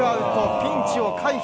ピンチを回避